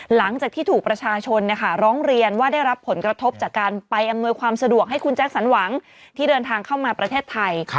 หลังจากที่ถูกประชาชนร้องเรียนว่าได้รับผลกระทบจากการไปอำนวยความสะดวกให้คุณแจ็คสันหวังที่เดินทางเข้ามาประเทศไทย